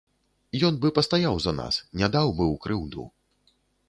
Ён бы пастаяў за нас, не даў бы ў крыўду.